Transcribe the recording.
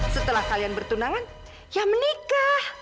setelah kalian bertunangan ya menikah